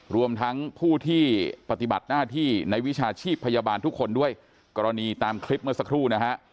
รวมทั้งผู้ที่ปฏิบัติหน้าที่ในวิชาชีพพยาบาลทุกคนด้วยกรณีตามคลิปเมื่อสักครู่นะฮะ